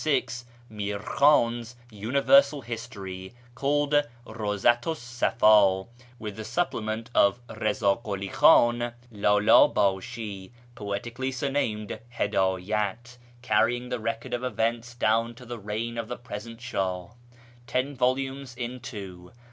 Mirkhwand's Universal History, called Bawzatu 's Safd, with the supplement of Eiz;i Kuli Khiin Ldld idshi, poetically surnamed Hiddyat, carrying the record of events down to the reign of the present Shah. Ten volumes in two.